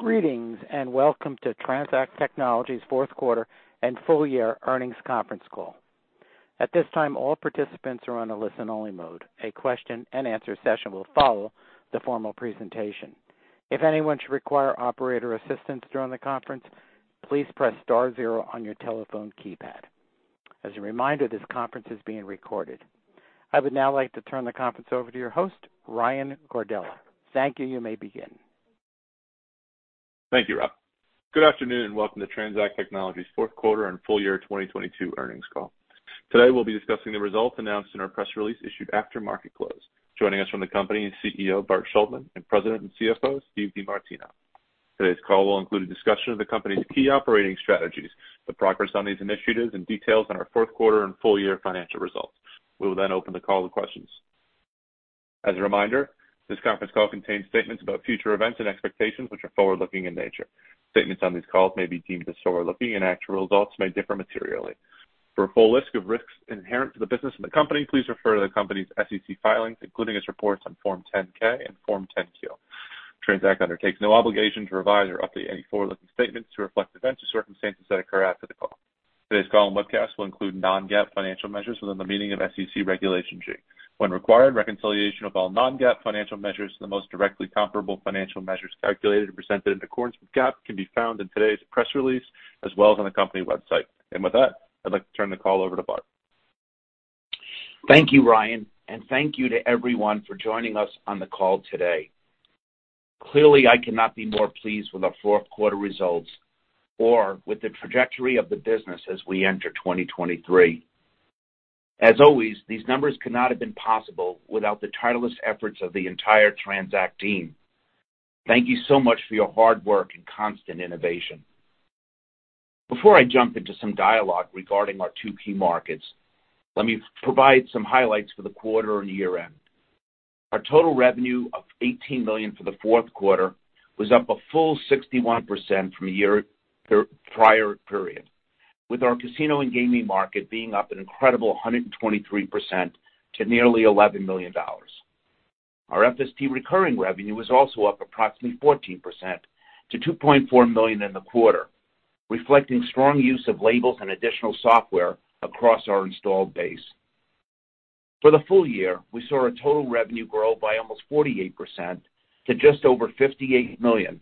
Greetings, and welcome to TransAct Technologies fourth quarter and full year earnings conference call. At this time, all participants are on a listen-only mode. A question and answer session will follow the formal presentation. If anyone should require operator assistance during the conference, please press star zero on your telephone keypad. As a reminder, this conference is being recorded. I would now like to turn the conference over to your host, Ryan Gardella. Thank you. You may begin. Thank you, Rob. Good afternoon, and welcome to TransAct Technologies Fourth Quarter and Full Year 2022 Earnings Call. Today, we'll be discussing the results announced in our press release issued after market close. Joining us from the company is CEO, Bart Shuldman; and President and CFO, Steve DeMartino. Today's call will include a discussion of the company's key operating strategies, the progress on these initiatives, and details on our fourth quarter and full year financial results. We will then open the call to questions. As a reminder, this conference call contains statements about future events and expectations, which are forward-looking in nature. Statements on this call may be deemed as forward-looking and actual results may differ materially. For a full list of risks inherent to the business of the company, please refer to the company's SEC filings, including its reports on Form 10-K and Form 10-Q. TransAct undertakes no obligation to revise or update any forward-looking statements to reflect events or circumstances that occur after the call. Today's call and webcast will include non-GAAP financial measures within the meaning of SEC Regulation G. When required, reconciliation of all non-GAAP financial measures to the most directly comparable financial measures calculated and presented in accordance with GAAP can be found in today's press release, as well as on the company website. With that, I'd like to turn the call over to Bart. Thank you, Ryan, thank you to everyone for joining us on the call today. Clearly, I cannot be more pleased with our fourth quarter results or with the trajectory of the business as we enter 2023. As always, these numbers could not have been possible without the tireless efforts of the entire TransAct team. Thank you so much for your hard work and constant innovation. Before I jump into some dialogue regarding our two key markets, let me provide some highlights for the quarter and year-end. Our total revenue of $18 million for the fourth quarter was up a full 61% from the prior period, with our casino and gaming market being up an incredible 123% to nearly $11 million. Our FST recurring revenue was also up approximately 14% to $2.4 million in the quarter, reflecting strong use of labels and additional software across our installed base. For the full year, we saw our total revenue grow by almost 48% to just over $58 million,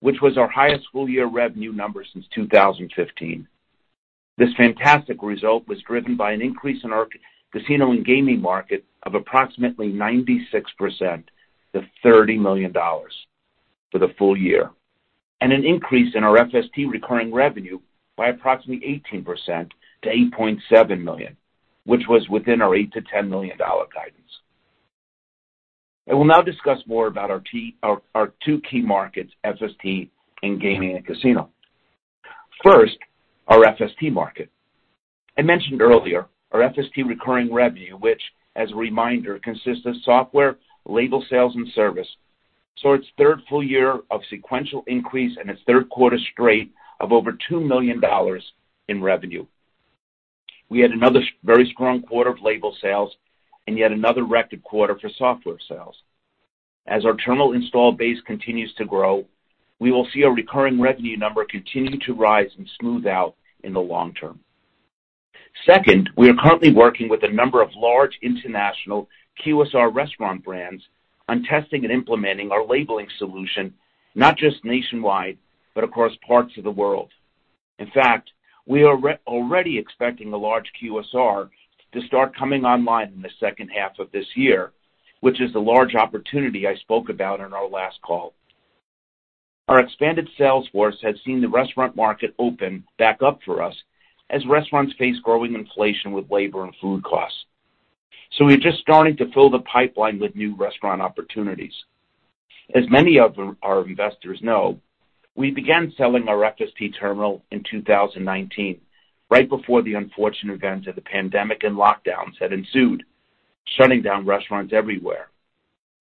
which was our highest full-year revenue number since 2015. This fantastic result was driven by an increase in our casino and gaming market of approximately 96% to $30 million for the full year, and an increase in our FST recurring revenue by approximately 18% to $8.7 million, which was within our $8 million-$10 million guidance. I will now discuss more about our two key markets, FST and gaming and casino. First, our FST market. I mentioned earlier our FST recurring revenue, which as a reminder, consists of software, label sales, and service, saw its third full year of sequential increase and its third quarter straight of over $2 million in revenue. We had another very strong quarter of label sales and yet another record quarter for software sales. As our terminal installed base continues to grow, we will see our recurring revenue number continue to rise and smooth out in the long term. We are currently working with a number of large international QSR restaurant brands on testing and implementing our labeling solution, not just nationwide, but across parts of the world. We are already expecting a large QSR to start coming online in the second half of this year, which is the large opportunity I spoke about on our last call. Our expanded sales force has seen the restaurant market open back up for us as restaurants face growing inflation with labor and food costs. We're just starting to fill the pipeline with new restaurant opportunities. As many of our investors know, we began selling our FST terminal in 2019, right before the unfortunate events of the pandemic and lockdowns that ensued, shutting down restaurants everywhere.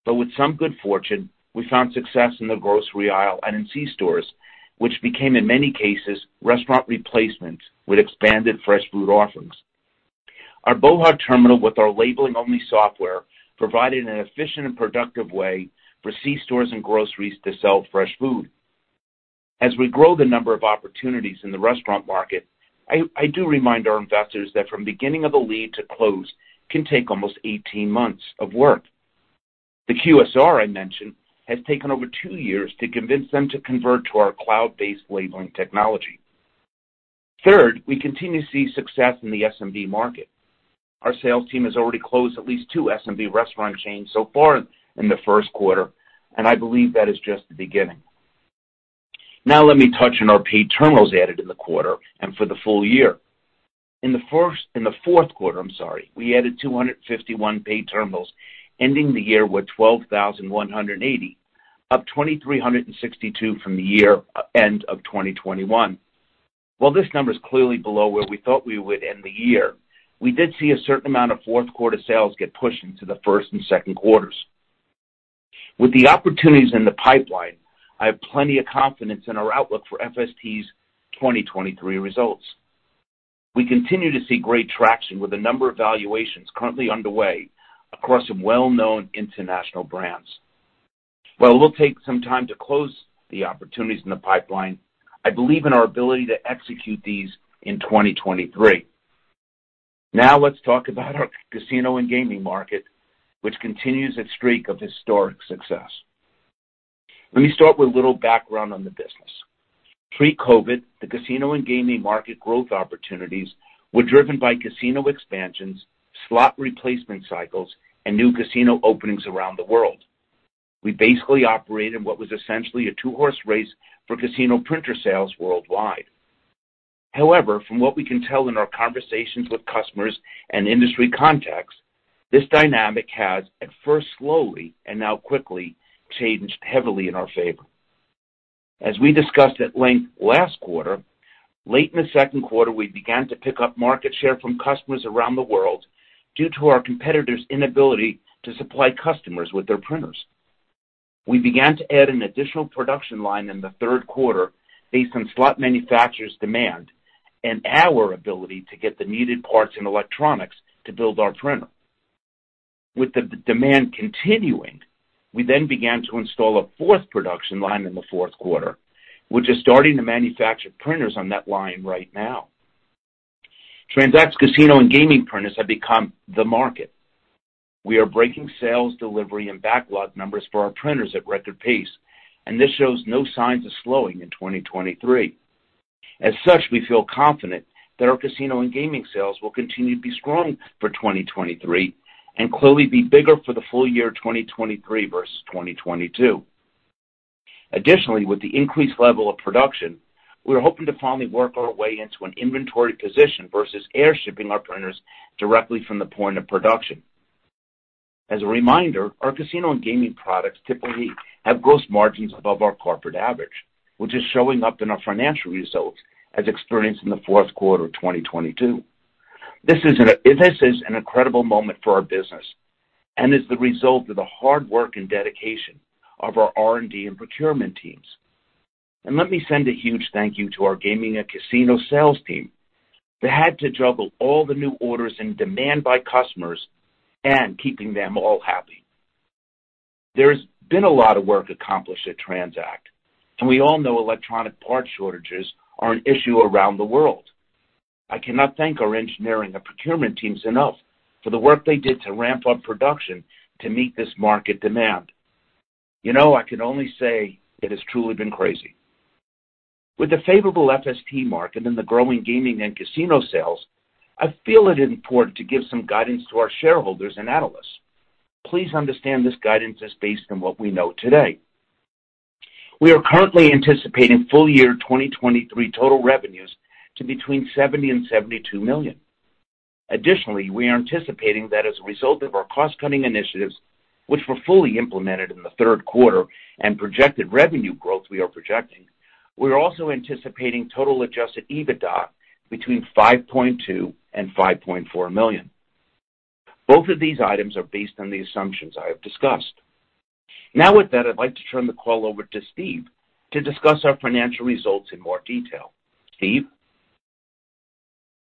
With some good fortune, we found success in the grocery aisle and in C-stores, which became, in many cases, restaurant replacements with expanded fresh food offerings. Our BOHA! Terminal with our labeling-only software, provided an efficient and productive way for C-stores and groceries to sell fresh food. As we grow the number of opportunities in the restaurant market, I do remind our investors that from beginning of a lead to close can take almost 18 months of work. The QSR I mentioned has taken over two years to convince them to convert to our cloud-based labeling technology. Third, we continue to see success in the SMB market. Our sales team has already closed at least two SMB restaurant chains so far in the first quarter, and I believe that is just the beginning. Now let me touch on our paid terminals added in the quarter and for the full year. In the fourth quarter, I'm sorry, we added 251 paid terminals, ending the year with 12,180, up 2,362 from the year end of 2021. While this number is clearly below where we thought we would end the year, we did see a certain amount of fourth-quarter sales get pushed into the first and second quarters. With the opportunities in the pipeline, I have plenty of confidence in our outlook for FST's 2023 results. We continue to see great traction with a number of valuations currently underway across some well-known international brands. While it will take some time to close the opportunities in the pipeline, I believe in our ability to execute these in 2023. Let's talk about our casino and gaming market, which continues its streak of historic success. Let me start with a little background on the business. Pre-COVID, the casino and gaming market growth opportunities were driven by casino expansions, slot replacement cycles, and new casino openings around the world. We basically operate in what was essentially a two-horse race for casino printer sales worldwide. However, from what we can tell in our conversations with customers and industry contacts, this dynamic has, at first slowly, and now quickly, changed heavily in our favor. As we discussed at length last quarter, late in the second quarter, we began to pick up market share from customers around the world due to our competitors' inability to supply customers with their printers. We began to add an additional production line in the third quarter based on slot manufacturers' demand and our ability to get the needed parts and electronics to build our printer. With the demand continuing, we then began to install a fourth production line in the fourth quarter, which is starting to manufacture printers on that line right now. TransAct's casino and gaming printers have become the market. We are breaking sales, delivery, and backlog numbers for our printers at record pace. This shows no signs of slowing in 2023. As such, we feel confident that our casino and gaming sales will continue to be strong for 2023, and clearly be bigger for the full year 2023 versus 2022. With the increased level of production, we're hoping to finally work our way into an inventory position versus air shipping our printers directly from the point of production. As a reminder, our casino and gaming products typically have gross margins above our corporate average, which is showing up in our financial results as experienced in the 4th quarter of 2022. This is an incredible moment for our business and is the result of the hard work and dedication of our R&D and procurement teams. Let me send a huge thank you to our gaming and casino sales team that had to juggle all the new orders and demand by customers and keeping them all happy. There's been a lot of work accomplished at TransAct. We all know electronic part shortages are an issue around the world. I cannot thank our engineering and procurement teams enough for the work they did to ramp up production to meet this market demand. You know, I can only say it has truly been crazy. With the favorable FST market and the growing gaming and casino sales, I feel it important to give some guidance to our shareholders and analysts. Please understand this guidance is based on what we know today. We are currently anticipating full year 2023 total revenues to between $70 million and $72 million. Additionally, we are anticipating that as a result of our cost-cutting initiatives, which were fully implemented in the third quarter, and projected revenue growth we are projecting, we are also anticipating total adjusted EBITDA between $5.2 million and $5.4 million. Both of these items are based on the assumptions I have discussed. With that, I'd like to turn the call over to Steve to discuss our financial results in more detail. Steve?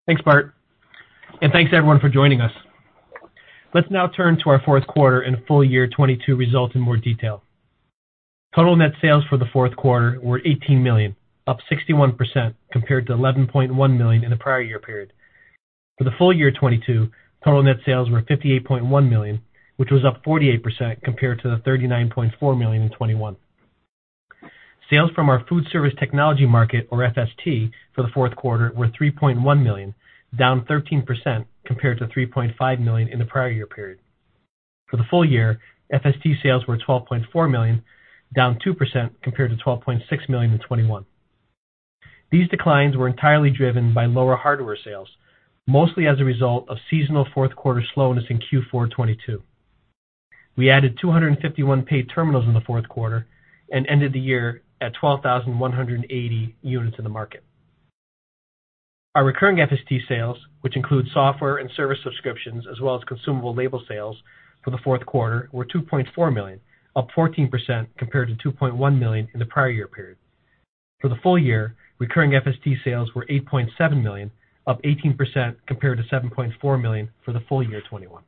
Thanks, Bart. Thanks, everyone, for joining us. Let's now turn to our fourth quarter and full year 2022 results in more detail. Total net sales for the fourth quarter were $18 million, up 61% compared to $11.1 million in the prior year period. For the full year 2022, total net sales were $58.1 million, which was up 48% compared to the $39.4 million in 2021. Sales from our food service technology market, or FST, for the fourth quarter were $3.1 million, down 13% compared to $3.5 million in the prior year period. For the full year, FST sales were $12.4 million, down 2% compared to $12.6 million in 2021. These declines were entirely driven by lower hardware sales, mostly as a result of seasonal fourth quarter slowness in Q4 2022. We added 251 paid terminals in the fourth quarter and ended the year at 12,180 units in the market. Our recurring FST sales, which include software and service subscriptions, as well as consumable label sales for the fourth quarter, were $2.4 million, up 14% compared to $2.1 million in the prior year period. For the full year, recurring FST sales were $8.7 million, up 18% compared to $7.4 million for the full year 2021.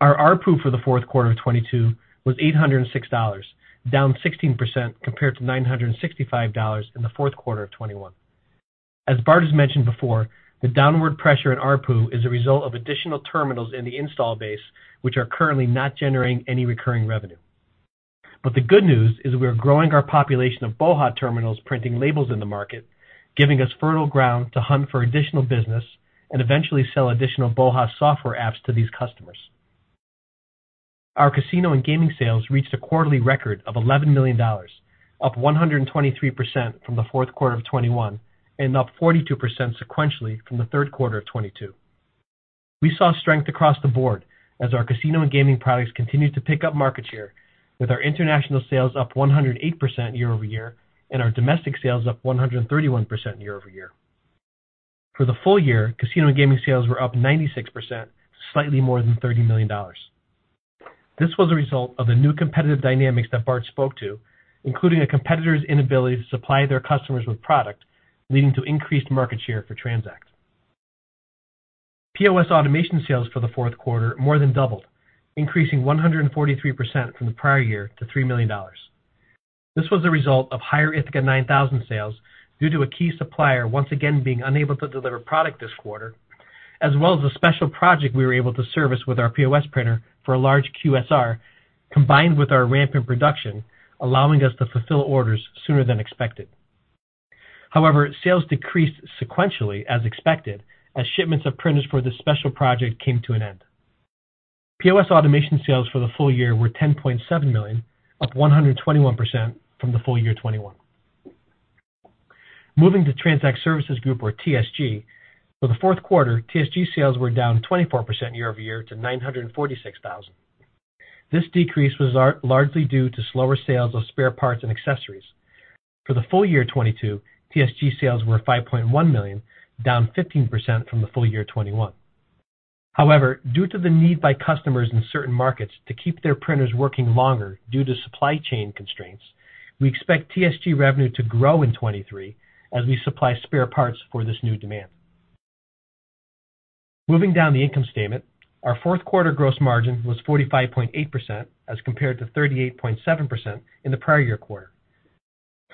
Our ARPU for the fourth quarter of 2022 was $806, down 16% compared to $965 in the fourth quarter of 2021. As Bart has mentioned before, the downward pressure in ARPU is a result of additional terminals in the install base, which are currently not generating any recurring revenue. The good news is we are growing our population of BOHA! Terminals printing labels in the market, giving us fertile ground to hunt for additional business and eventually sell additional BOHA! software apps to these customers. Our casino and gaming sales reached a quarterly record of $11 million, up 123% from the fourth quarter of 2021, and up 42% sequentially from the third quarter of 2022. We saw strength across the board as our casino and gaming products continued to pick up market share, with our international sales up 108% year-over-year and our domestic sales up 131% year-over-year. For the full year, casino and gaming sales were up 96%, slightly more than $30 million. This was a result of the new competitive dynamics that Bart spoke to, including a competitor's inability to supply their customers with product, leading to increased market share for TransAct. POS automation sales for the fourth quarter more than doubled, increasing 143% from the prior year to $3 million. This was a result of higher Ithaca 9000 sales due to a key supplier once again being unable to deliver product this quarter, as well as a special project we were able to service with our POS printer for a large QSR, combined with our ramp in production, allowing us to fulfill orders sooner than expected. Sales decreased sequentially as expected as shipments of printers for this special project came to an end. POS automation sales for the full year were $10.7 million, up 121% from the full year 2021. Moving to TransAct Services Group or TSG. For the fourth quarter, TSG sales were down 24% year over year to $946,000. This decrease was largely due to slower sales of spare parts and accessories. For the full year 2022, TSG sales were $5.1 million, down 15% from the full year 2021. However, due to the need by customers in certain markets to keep their printers working longer due to supply chain constraints, we expect TSG revenue to grow in 2023 as we supply spare parts for this new demand. Moving down the income statement. Our fourth quarter gross margin was 45.8% as compared to 38.7% in the prior year quarter.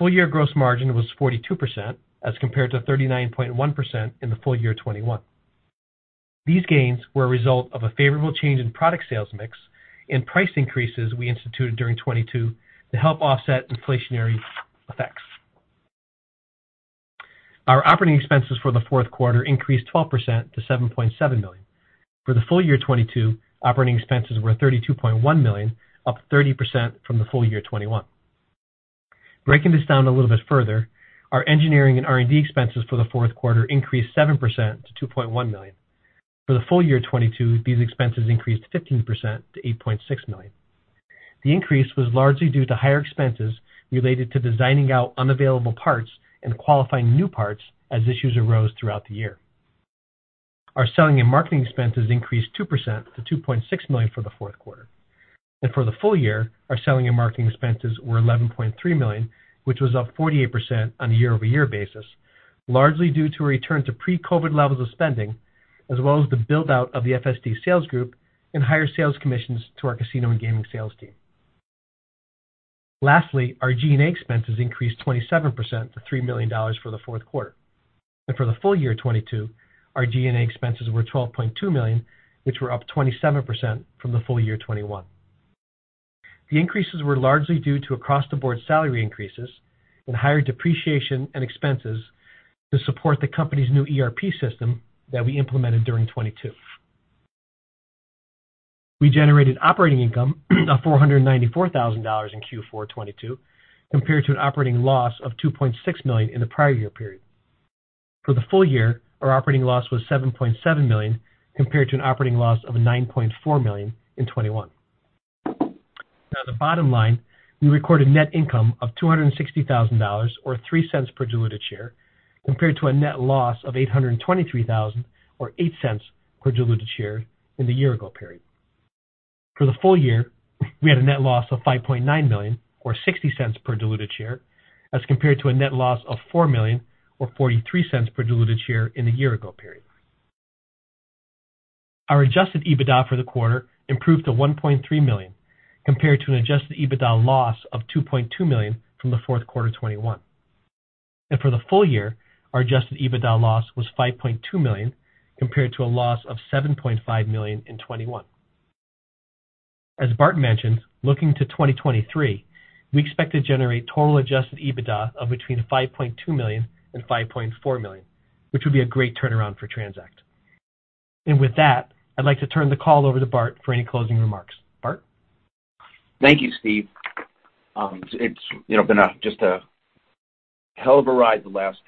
Full year gross margin was 42% as compared to 39.1% in the full year 2021. These gains were a result of a favorable change in product sales mix and price increases we instituted during 2022 to help offset inflationary effects. Our operating expenses for the fourth quarter increased 12% to $7.7 million. For the full year 2022, operating expenses were $32.1 million, up 30% from the full year 2021. Breaking this down a little bit further, our engineering and R&D expenses for the fourth quarter increased 7% to $2.1 million. For the full year 2022, these expenses increased 15% to $8.6 million. The increase was largely due to higher expenses related to designing out unavailable parts and qualifying new parts as issues arose throughout the year. Our selling and marketing expenses increased 2% to $2.6 million for the fourth quarter. For the full year, our selling and marketing expenses were $11.3 million, which was up 48% on a year-over-year basis, largely due to a return to pre-COVID levels of spending, as well as the build-out of the FST sales group and higher sales commissions to our casino and gaming sales team. Lastly, our G&A expenses increased 27% to $3 million for the fourth quarter. For the full year 2022, our G&A expenses were $12.2 million, which were up 27% from the full year 2021. The increases were largely due to across-the-board salary increases and higher depreciation and expenses to support the company's new ERP system that we implemented during 2022. We generated operating income of $494,000 in Q4 2022, compared to an operating loss of $2.6 million in the prior year period. For the full year, our operating loss was $7.7 million, compared to an operating loss of $9.4 million in 2021. The bottom line, we recorded net income of $260,000 or $0.03 per diluted share, compared to a net loss of $823,000 or $0.08 per diluted share in the year ago period. For the full year, we had a net loss of $5.9 million or $0.60 per diluted share as compared to a net loss of $4 million or $0.43 per diluted share in the year ago period. Our adjusted EBITDA for the quarter improved to $1.3 million, compared to an adjusted EBITDA loss of $2.2 million from the fourth quarter 2021. For the full year, our adjusted EBITDA loss was $5.2 million, compared to a loss of $7.5 million in 2021. As Bart mentioned, looking to 2023, we expect to generate total adjusted EBITDA of between $5.2 million and $5.4 million, which would be a great turnaround for TransAct. With that, I'd like to turn the call over to Bart for any closing remarks. Bart? Thank you, Steve. It's, you know, been a just a hell of a ride the last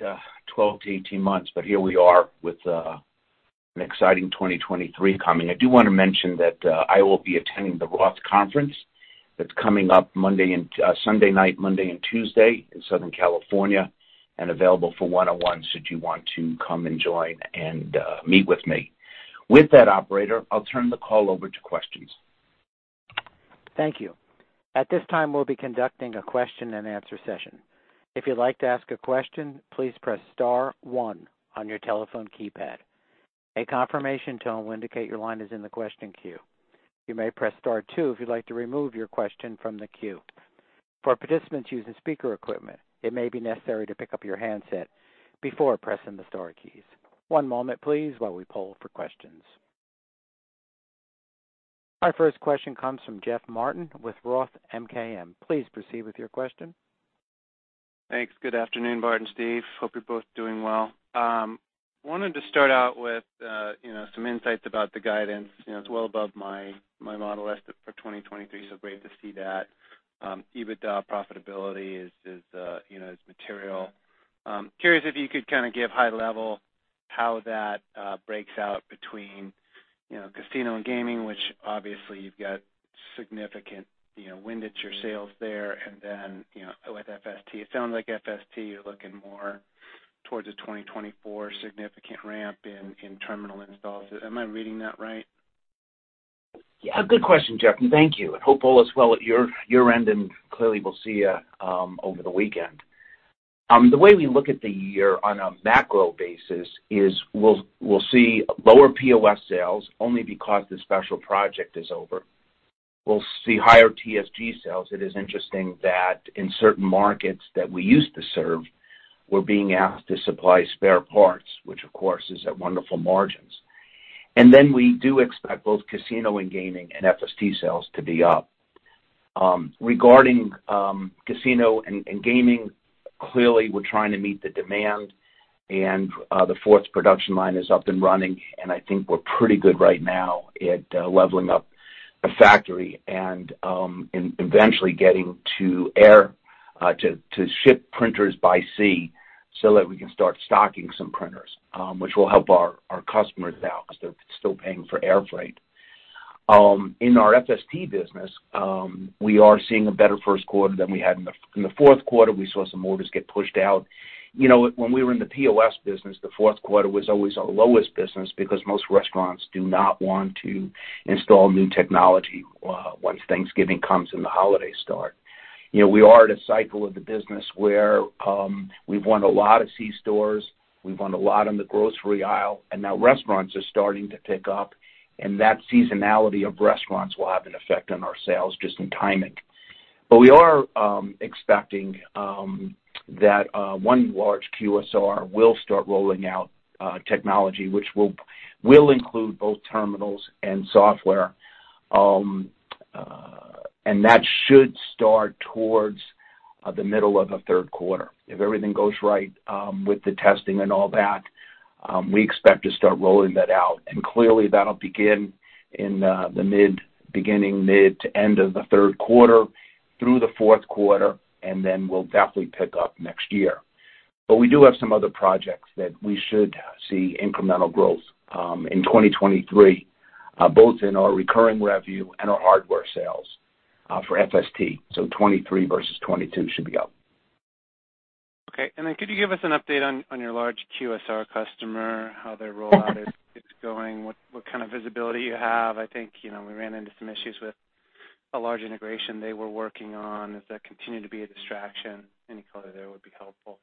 12-18 months. Here we are with an exciting 2023 coming. I do wanna mention that I will be attending the ROTH Conference. That's coming up Monday. Sunday night, Monday and Tuesday in Southern California and available for one-on-one should you want to come and join and meet with me. With that, operator, I'll turn the call over to questions. Thank you. At this time, we'll be conducting a question and answer session. If you'd like to ask a question, please press star one on your telephone keypad. A confirmation tone will indicate your line is in the question queue. You may press star two if you'd like to remove your question from the queue. For participants using speaker equipment, it may be necessary to pick up your handset before pressing the star keys. One moment please while we poll for questions. Our first question comes from Jeff Martin with ROTH MKM. Please proceed with your question. Thanks. Good afternoon, Bart and Steve. Hope you're both doing well. wanted to start out with, you know, some insights about the guidance. You know, it's well above my model estimate for 2023, so great to see that. EBITDA profitability is, you know, is material. Curious if you could kind of give high level how that breaks out between, you know, casino and gaming, which obviously you've got significant, you know, wind at your sales there. Then, you know, with FST, it sounds like FST, you're looking more towards the 2024 significant ramp in terminal installs. Am I reading that right? Yeah. Good question, Jeff, and thank you. Hopeful as well at your end, and clearly we'll see you over the weekend. The way we look at the year on a macro basis is we'll see lower POS sales only because the special project is over. We'll see higher TSG sales. It is interesting that in certain markets that we used to serve, we're being asked to supply spare parts, which of course is at wonderful margins. Then we do expect both casino and gaming and FST sales to be up. Regarding casino and gaming, clearly we're trying to meet the demand. The fourth production line is up and running. I think we're pretty good right now at leveling up the factory and eventually getting to air to ship printers by sea so that we can start stocking some printers, which will help our customers out 'cause they're still paying for air freight. In our FST business, we are seeing a better first quarter than we had in the fourth quarter. We saw some orders get pushed out. You know, when we were in the POS business, the fourth quarter was always our lowest business because most restaurants do not want to install new technology once Thanksgiving comes and the holidays start. You know, we are at a cycle of the business where we've won a lot of C-stores, we've won a lot in the grocery aisle, and now restaurants are starting to pick up, and that seasonality of restaurants will have an effect on our sales just in timing. We are expecting that one large QSR will start rolling out technology, which will include both terminals and software. That should start towards the middle of the third quarter. If everything goes right, with the testing and all that, we expect to start rolling that out. Clearly that'll begin in beginning mid to end of the third quarter through the fourth quarter, and then we'll definitely pick up next year. We do have some other projects that we should see incremental growth, in 2023, both in our recurring revenue and our hardware sales, for FST. 2023 versus 2022 should be up. Okay. Could you give us an update on your large QSR customer, how their rollout is going? What kind of visibility you have? I think, you know, we ran into some issues with a large integration they were working on. Does that continue to be a distraction? Any color there would be helpful.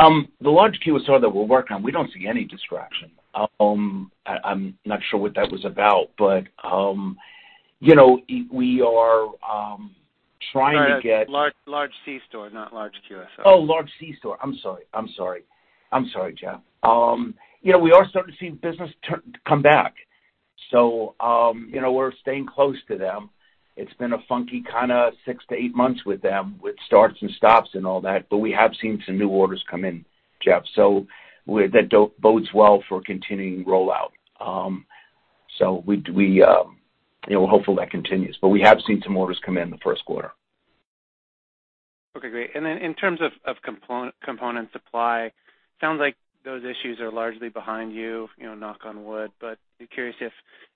The large QSR that we're working on, we don't see any distraction. I'm not sure what that was about, but, you know, we are trying to get. Large, large C-store, not large QSR. Oh, large C-store. I'm sorry. I'm sorry. I'm sorry, Jeff. you know, we are starting to see business come back. you know, we're staying close to them. It's been a funky kinda six to eight months with them, with starts and stops and all that, but we have seen some new orders come in, Jeff, so that bodes well for continuing rollout. you know, we're hopeful that continues, but we have seen some orders come in the first quarter. Okay, great. Then in terms of component supply, sounds like those issues are largely behind you know, knock on wood, but curious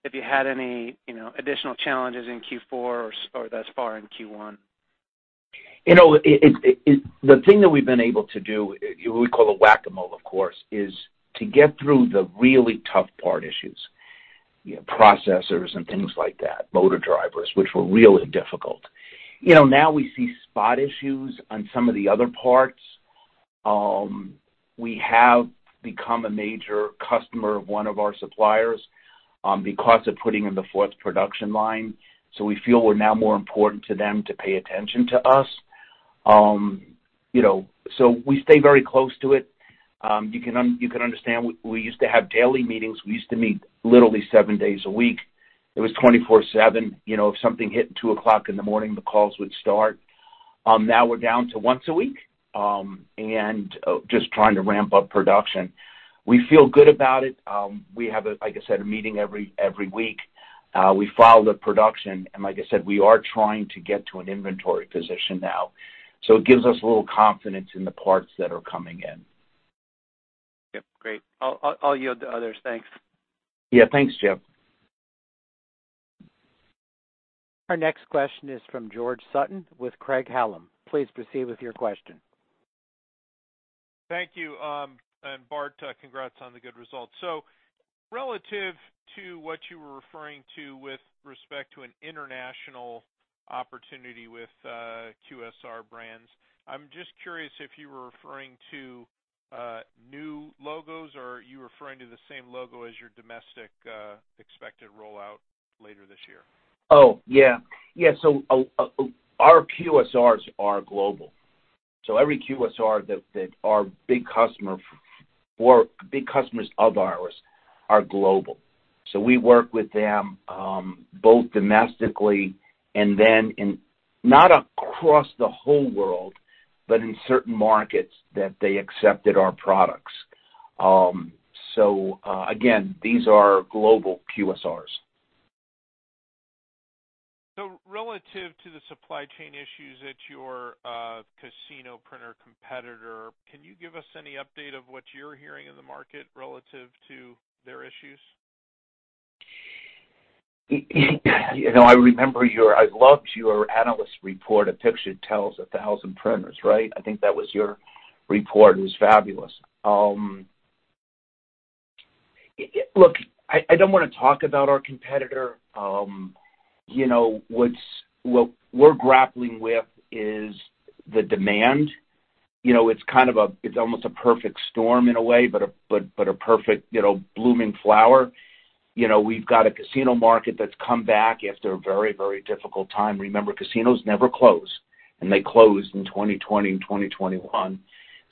if you had any, you know, additional challenges in Q4 or thus far in Q1? You know, it. The thing that we've been able to do, we call a whack-a-mole, of course, is to get through the really tough part issues, you know, processors and things like that, motor drivers, which were really difficult. You know, now we see spot issues on some of the other parts. We have become a major customer of one of our suppliers, because of putting in the fourth production line, so we feel we're now more important to them to pay attention to us. You know, so we stay very close to it. You can understand, we used to have daily meetings. We used to meet literally seven days a week. It was 24/7. You know, if something hit 2:00 A.M., the calls would start. Now we're down to once a week, just trying to ramp up production. We feel good about it. We have a, like I said, a meeting every week. We follow the production. Like I said, we are trying to get to an inventory position now, so it gives us a little confidence in the parts that are coming in. Yep. Great. I'll yield to others. Thanks. Yeah. Thanks, Jeff. Our next question is from George Sutton with Craig-Hallum. Please proceed with your question. Thank you. Bart, congrats on the good results. Relative to what you were referring to with respect to an international opportunity with QSR brands, I'm just curious if you were referring to new logos, or are you referring to the same logo as your domestic expected rollout later this year? Yeah. Yeah. Our QSRs are global. Every QSR that our big customers of ours are global. We work with them, both domestically and then in, not across the whole world, but in certain markets that they accepted our products. Again, these are global QSRs. Relative to the supply chain issues at your casino printer competitor, can you give us any update of what you are hearing in the market relative to their issues? You know, I remember I loved your analyst report, "A picture tells a 1,000 printers," right? I think that was your report. It was fabulous. Look, I don't wanna talk about our competitor. You know, what we're grappling with is the demand. You know, it's kind of a, it's almost a perfect storm in a way, but a perfect, you know, blooming flower. You know, we've got a casino market that's come back after a very, very difficult time. Remember, casinos never close. They closed in 2020 and 2021.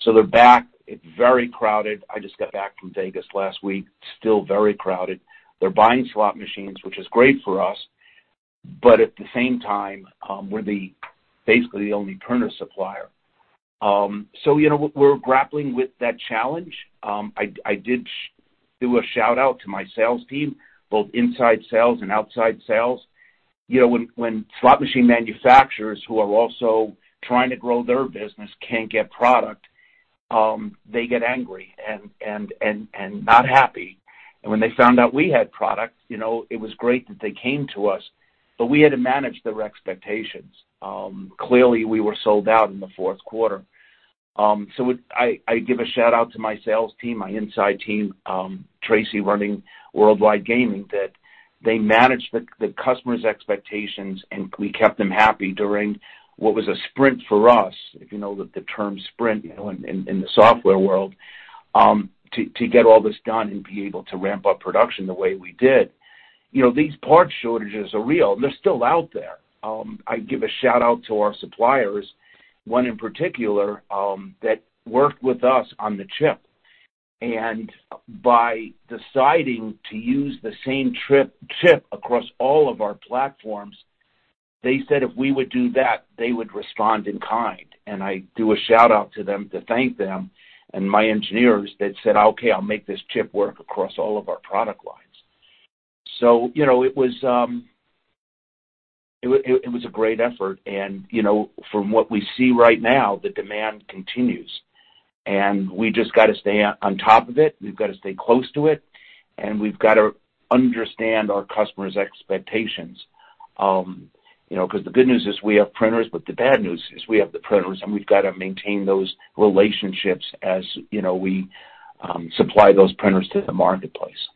They're back. It's very crowded. I just got back from Vegas last week. Still very crowded. They're buying slot machines, which is great for us. At the same time, we're basically the only printer supplier. You know, we're grappling with that challenge. I did do a shout-out to my sales team, both inside sales and outside sales. You know, when slot machine manufacturers who are also trying to grow their business can't get product, they get angry and not happy. When they found out we had product, you know, it was great that they came to us, but we had to manage their expectations. Clearly, we were sold out in the fourth quarter. I give a shout-out to my sales team, my inside team, Tracy running worldwide gaming, that they managed the customer's expectations, and we kept them happy during what was a sprint for us, if you know the term sprint, you know, in the software world, to get all this done and be able to ramp up production the way we did. You know, these parts shortages are real, and they're still out there. I give a shout-out to our suppliers, one in particular, that worked with us on the chip. By deciding to use the same chip across all of our platforms, they said if we would do that, they would respond in kind. I do a shout-out to them to thank them and my engineers that said, "Okay, I'll make this chip work across all of our product lines." you know, it was a great effort and, you know, from what we see right now, the demand continues. We just gotta stay on top of it. We've gotta stay close to it, and we've gotta understand our customers' expectations, you know, 'cause the good news is we have printers, but the bad news is we have the printers, and we've gotta maintain those relationships as, you know, we supply those printers to the marketplace.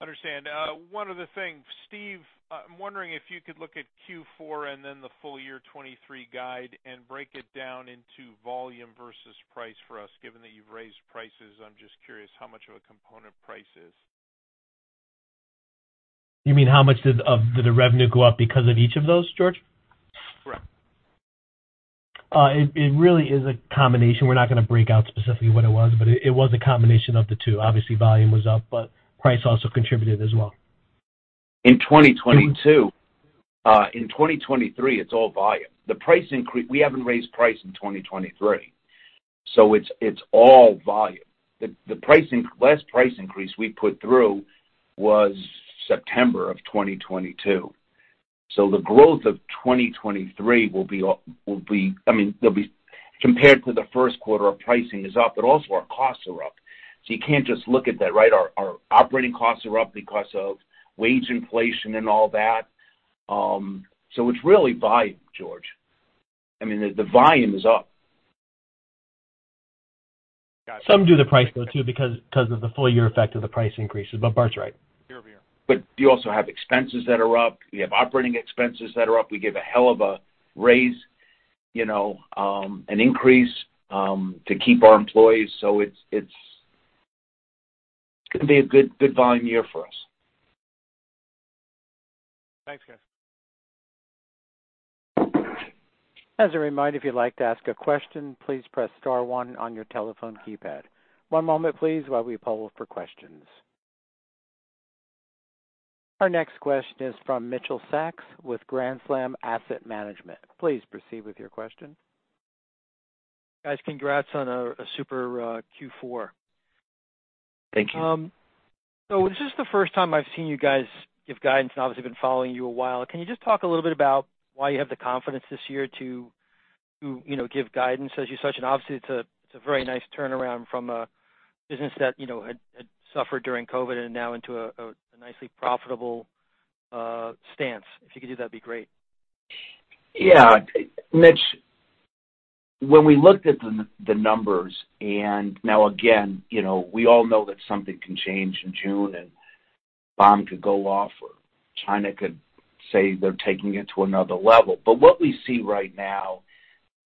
Understand. One other thing. Steve, I'm wondering if you could look at Q4 and then the full year 2023 guide and break it down into volume versus price for us. Given that you've raised prices, I'm just curious how much of a component price is. You mean how much did, of the revenue go up because of each of those, George? Correct. It really is a combination. We're not gonna break out specifically what it was, but it was a combination of the two. Obviously, volume was up, but price also contributed as well. In 2022. In 2023, it's all volume. We haven't raised price in 2023, so it's all volume. Last price increase we put through was September of 2022. The growth of 2023 will be all, will be. I mean, compared to the first quarter, our pricing is up, but also our costs are up. You can't just look at that, right? Our operating costs are up because of wage inflation and all that. It's really volume, George. I mean, the volume is up. Some due to price, though, too, because, 'cause of the full year effect of the price increases. Bart's right. Hear, hear. You also have expenses that are up. We have operating expenses that are up. We gave a hell of a raise, you know, an increase to keep our employees. It's gonna be a good volume year for us. Thanks, guys. As a reminder, if you'd like to ask a question, please press star one on your telephone keypad. One moment, please, while we poll for questions. Our next question is from Mitchell Sacks with Grand Slam Asset Management. Please proceed with your question. Guys, congrats on a super Q4. Thank you. This is the first time I've seen you guys give guidance, and obviously, I've been following you a while. Can you just talk a little bit about why you have the confidence this year to, you know, give guidance as you such? Obviously, it's a very nice turnaround from a business that, you know, had suffered during COVID and now into a nicely profitable stance. If you could do that, it'd be great. Yeah. Mitch, when we looked at the numbers, now again, you know, we all know that something can change in June, and a bomb could go off, or China could say they're taking it to another level. What we see right now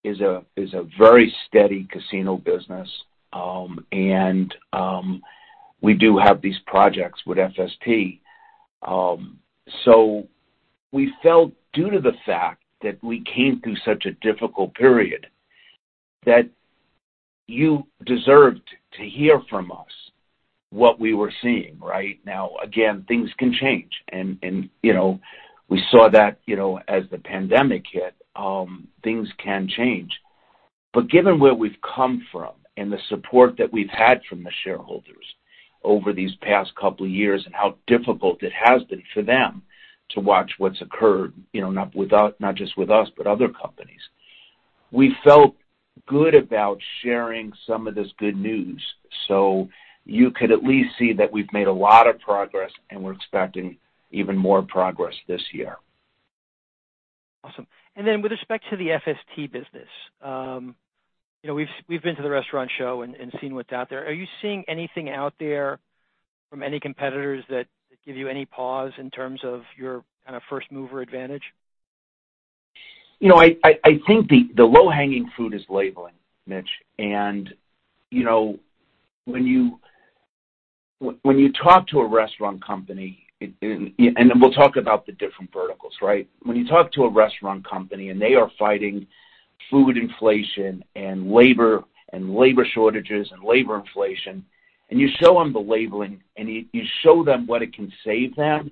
is a, is a very steady casino business, and we do have these projects with FST. We felt due to the fact that we came through such a difficult period, that you deserved to hear from us what we were seeing, right? Now, again, things can change. You know, we saw that, you know, as the pandemic hit, things can change. Given where we've come from and the support that we've had from the shareholders over these past couple of years and how difficult it has been for them to watch what's occurred, you know, not just with us, but other companies. We felt good about sharing some of this good news. You could at least see that we've made a lot of progress, and we're expecting even more progress this year. Awesome. Then with respect to the FST business, you know, we've been to the restaurant show and seen what's out there. Are you seeing anything out there from any competitors that give you any pause in terms of your kind of first-mover advantage? You know, I think the low-hanging fruit is labeling, Mitch. You know, when you talk to a restaurant company, and we'll talk about the different verticals, right? When you talk to a restaurant company, and they are fighting food inflation and labor and labor shortages and labor inflation, and you show them the labeling, and you show them what it can save them,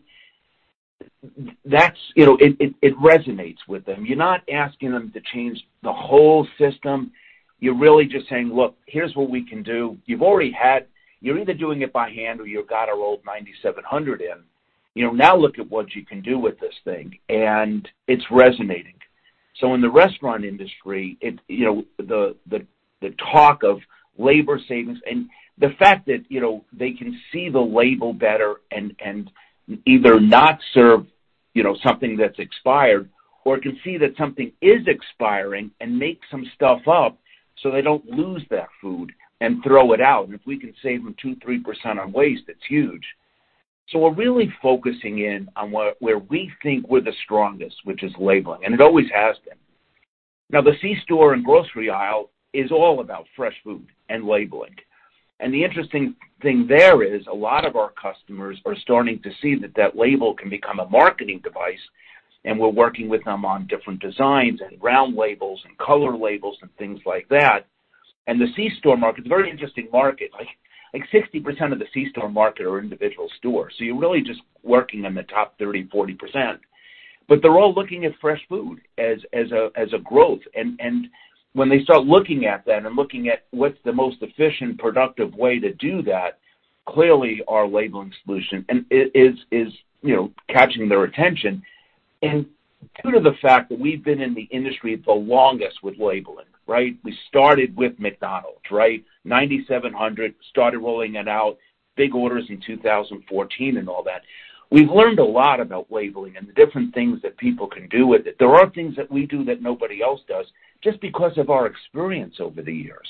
that's, you know, it resonates with them. You're not asking them to change the whole system. You're really just saying, "Look, here's what we can do. You're either doing it by hand, or you've got our old AccuDate 9700 in. You know, now look at what you can do with this thing." It's resonating. In the restaurant industry, you know, the talk of labor savings and the fact that, you know, they can see the label better and either not serve, you know, something that's expired or can see that something is expiring and make some stuff up so they don't lose that food and throw it out. If we can save them 2%, 3% on waste, that's huge. We're really focusing in on where we think we're the strongest, which is labeling, and it always has been. The C-store and grocery aisle is all about fresh food and labeling. The interesting thing there is a lot of our customers are starting to see that that label can become a marketing device, and we're working with them on different designs and round labels and color labels and things like that. The C-store market is a very interesting market. Like, 60% of the C-store market are individual stores, so you're really just working on the top 30%, 40%. They're all looking at fresh food as a growth. When they start looking at that and looking at what's the most efficient, productive way to do that, clearly our labeling solution is, you know, catching their attention. Due to the fact that we've been in the industry the longest with labeling, right? We started with McDonald's, right? 9700, started rolling it out, big orders in 2014 and all that. We've learned a lot about labeling and the different things that people can do with it. There are things that we do that nobody else does just because of our experience over the years.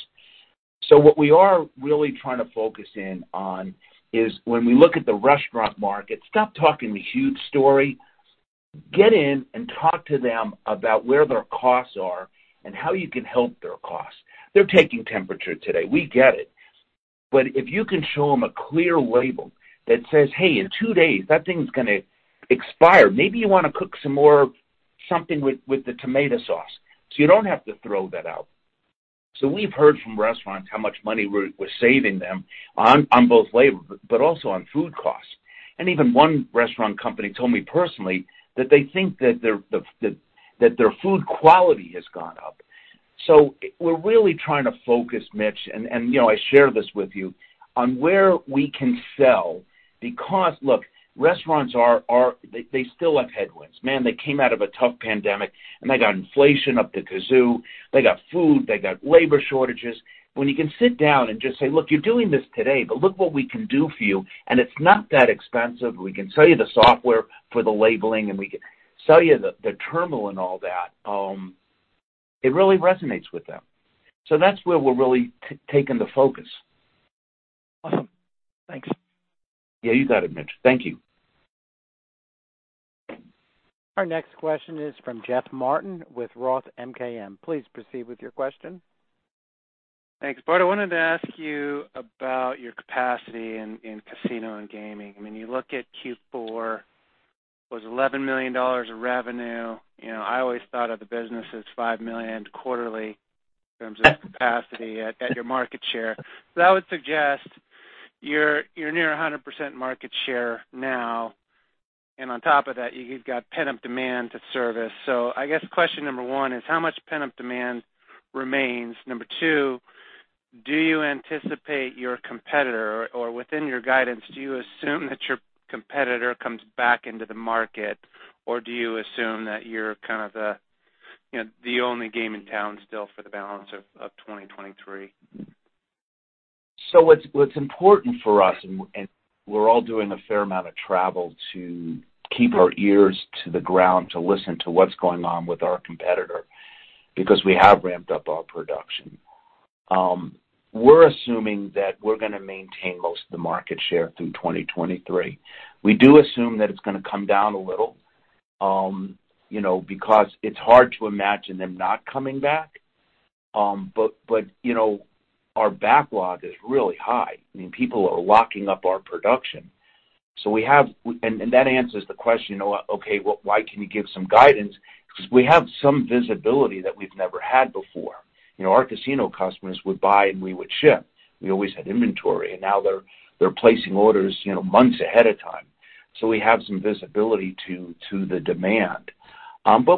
What we are really trying to focus in on is when we look at the restaurant market, stop talking the huge story, get in and talk to them about where their costs are and how you can help their costs. They're taking temperature today. We get it. If you can show them a clear label that says, "Hey, in two days, that thing's gonna expire. Maybe you wanna cook some more, something with the tomato sauce, so you don't have to throw that out." We've heard from restaurants how much money we're saving them on both labor, but also on food costs. Even one restaurant company told me personally that they think that their food quality has gone up. We're really trying to focus, Mitch, and, you know, I share this with you, on where we can sell because, look, restaurants are they still have headwinds. Man, they came out of a tough pandemic, and they got inflation up the kazoo. They got food. They got labor shortages. When you can sit down and just say, "Look, you're doing this today, but look what we can do for you, and it's not that expensive. We can sell you the software for the labeling, and we can sell you the terminal and all that," it really resonates with them. That's where we're really taking the focus. Awesome. Thanks. Yeah, you got it, Mitch. Thank you. Our next question is from Jeff Martin with ROTH MKM. Please proceed with your question. Thanks. Bart, I wanted to ask you about your capacity in casino and gaming. When you look at Q4, it was $11 million of revenue. You know, I always thought of the business as $5 million quarterly in terms of capacity at your market share. That would suggest you're near 100% market share now, and on top of that, you've got pent-up demand to service. I guess question number 1 is how much pent-up demand remains? Number two, do you anticipate your competitor or within your guidance, do you assume that your competitor comes back into the market, or do you assume that you're kind of the, you know, the only game in town still for the balance of 2023? What's important for us, and we're all doing a fair amount of travel to keep our ears to the ground to listen to what's going on with our competitor because we have ramped up our production. We're assuming that we're gonna maintain most of the market share through 2023. We do assume that it's gonna come down a little, you know, because it's hard to imagine them not coming back. But, you know, our backlog is really high. I mean, people are locking up our production. We have. And that answers the question, you know, okay, why can you give some guidance? We have some visibility that we've never had before. You know, our casino customers would buy, and we would ship. We always had inventory, and now they're placing orders, you know, months ahead of time. We have some visibility to the demand.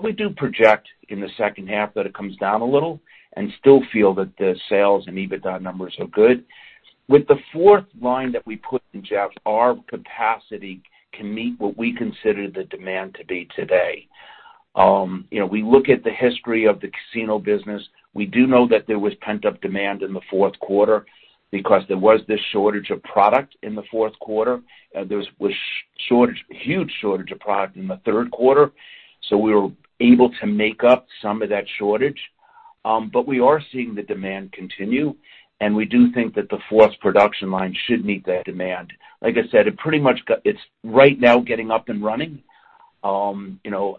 We do project in the second half that it comes down a little and still feel that the sales and EBITDA numbers are good. With the fourth line that we put in, Jeff, our capacity can meet what we consider the demand to be today. You know, we look at the history of the casino business. We do know that there was pent-up demand in the fourth quarter because there was this shortage of product in the fourth quarter. There was huge shortage of product in the third quarter. We were able to make up some of that shortage. We are seeing the demand continue, and we do think that the fourth production line should meet that demand. Like I said, it's right now getting up and running. You know,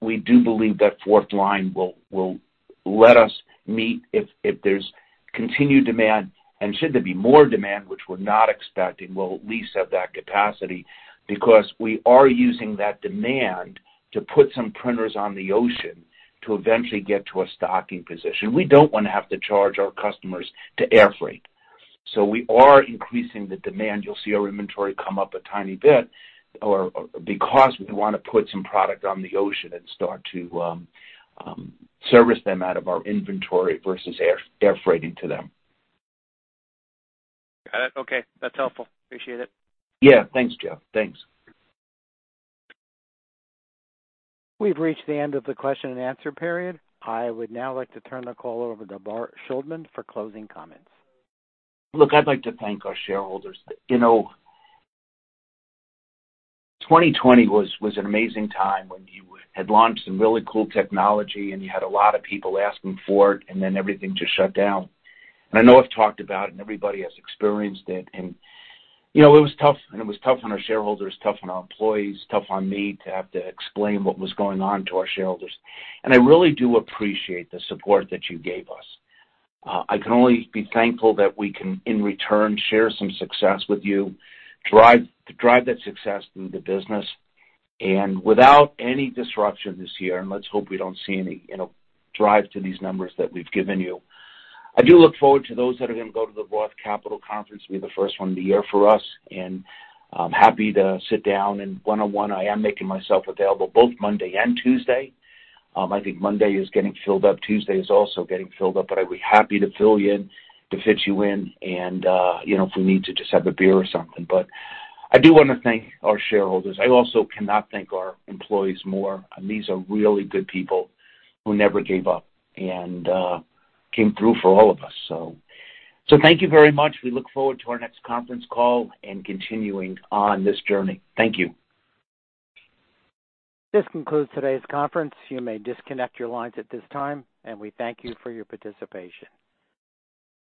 we do believe that fourth line will let us meet if there's continued demand. Should there be more demand, which we're not expecting, we'll at least have that capacity because we are using that demand to put some printers on the ocean to eventually get to a stocking position. We don't wanna have to charge our customers to airfreight. We are increasing the demand. You'll see our inventory come up a tiny bit because we wanna put some product on the ocean and start to service them out of our inventory versus air freighting to them. Got it. Okay. That's helpful. Appreciate it. Yeah. Thanks, Jeff. Thanks. We've reached the end of the question and answer period. I would now like to turn the call over to Bart Shuldman for closing comments. Look, I'd like to thank our shareholders. You know, 2020 was an amazing time when you had launched some really cool technology, and you had a lot of people asking for it, everything just shut down. I know I've talked about it, and everybody has experienced it. You know, it was tough, and it was tough on our shareholders, tough on our employees, tough on me to have to explain what was going on to our shareholders. I really do appreciate the support that you gave us. I can only be thankful that we can, in return, share some success with you, drive that success through the business and without any disruption this year, let's hope we don't see any, you know, drive to these numbers that we've given you. I do look forward to those that are gonna go to the ROTH Conference, be the first one of the year for us, and I'm happy to sit down and one-on-one, I am making myself available both Monday and Tuesday. I think Monday is getting filled up. Tuesday is also getting filled up. I'll be happy to fill you in, to fit you in and, you know, if we need to just have a beer or something. I do wanna thank our shareholders. I also cannot thank our employees more. These are really good people who never gave up and, came through for all of us. Thank you very much. We look forward to our next conference call and continuing on this journey. Thank you. This concludes today's conference. You may disconnect your lines at this time, and we thank you for your participation.